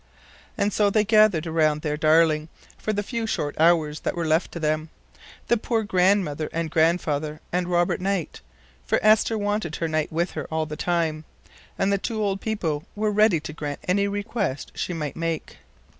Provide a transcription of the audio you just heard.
And so they gathered around their darling for the few short hours that were left to them—the poor grandmother and grandfather and Robert Knight; for Esther wanted her knight with her all the time, and the two old people were ready to grant any request she might make.